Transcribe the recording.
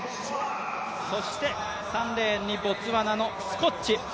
そして３レーンにボツワナのスコッチ。